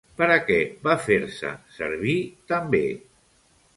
Per a què va fer-se servir també?